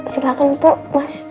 silahkan pu mas